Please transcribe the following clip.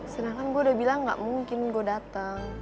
sedangkan gue udah bilang gak mungkin gue datang